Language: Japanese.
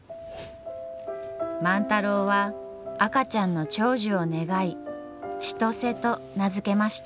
万太郎は赤ちゃんの長寿を願い千歳と名付けました。